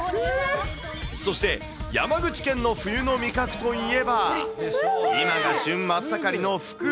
そして山口県の冬の味覚といえば、今が旬真っ盛りのフク。